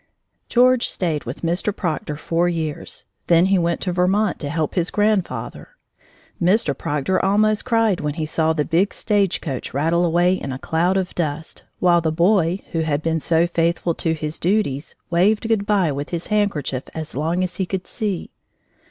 George stayed with Mr. Proctor four years. Then he went to Vermont to help his grandfather. Mr. Proctor almost cried when he saw the big stage coach rattle away in a cloud of dust, while the boy who had been so faithful to his duties waved good by with his handkerchief as long as he could see.